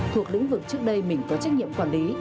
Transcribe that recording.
thuộc lĩnh vực trước đây mình có trách nhiệm quản lý